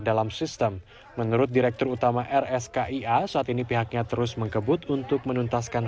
dalam sistem menurut direktur utama rskia saat ini pihaknya terus mengebut untuk menuntaskan